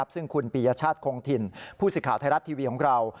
ซึ่งคุณปียชาติคงถิ่นผู้สิทธิ์ไทยรัฐทีวีของเรา